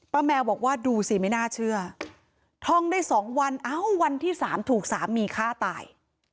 แมวบอกว่าดูสิไม่น่าเชื่อท่องได้๒วันเอ้าวันที่๓ถูกสามีฆ่าตาย